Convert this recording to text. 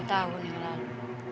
tahun yang lalu